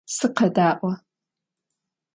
Сыкъэдаӏо.